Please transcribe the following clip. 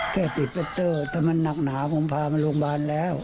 แค่ติดเปี่ยต่อเขามาณักหนาผมพามาโรงพยาบาลแล้ว